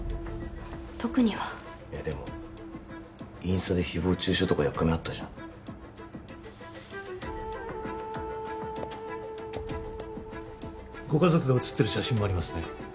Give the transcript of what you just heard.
特にはえでもインスタで誹謗中傷とかやっかみあったじゃんご家族が写ってる写真もありますね